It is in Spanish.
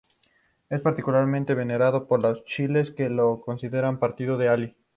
Es particularmente venerado por los chiíes, que lo consideran partidario de Alí.